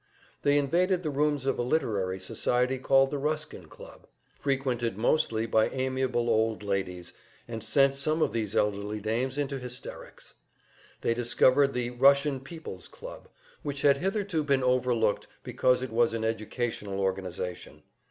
They invaded the rooms of a literary society called the Ruskin Club, frequented mostly by amiable old ladies, and sent some of these elderly dames into hysterics. They discovered the "Russian Peoples' Club," which had hitherto been overlooked because it was an educational organization.